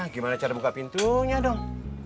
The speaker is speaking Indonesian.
gimana cara buka pintunya dong